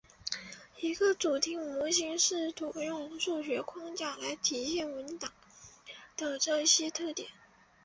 一个主题模型试图用数学框架来体现文档的这种特点。